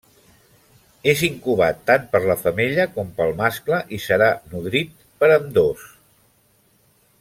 És incubat tant per la femella, com pel mascle i serà nodrit per ambdós.